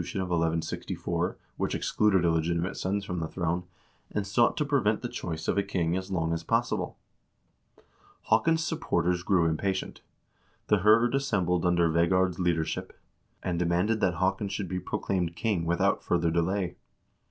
KING HAAKON HAAKONSSON AND SKULE JARL 413 the constitution of 1164, which excluded illegitimate sons from the throne, and sought to prevent the choice of a king as long as possible. Haakon's supporters grew impatient. The hird assembled under Vegard's leadership, and demanded that Haakon should be pro claimed king without further delay.